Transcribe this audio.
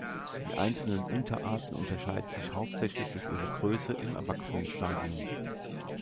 Die einzelnen Unterarten unterscheiden sich hauptsächlich durch ihre Größe im Erwachsenenstadium.